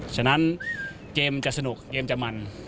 ฉะนั้นเกมจะสนุกเกมจะมัน